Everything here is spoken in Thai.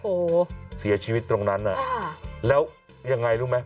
โอ้โหเสียชีวิตตรงนั้นน่ะแล้วยังไงรู้ไหม